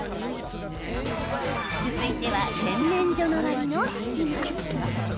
続いては、洗面所周りの隙間。